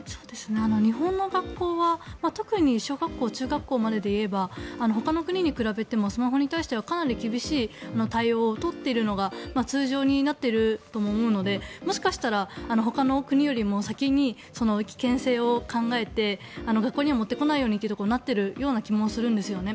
日本の学校は特に小学校中学校までで言えばほかの国に比べてスマホに対してはかなり厳しい対応を取っているのが通常になっていると思うのでもしかしたらほかの国よりも先に危険性を考えて学校には持ってこないようにとなっている気がするんですね。